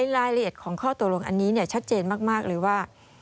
รายละเอียดของข้อตกลงอันนี้ชัดเจนมากเลยว่า